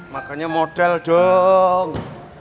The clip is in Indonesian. makanya model dong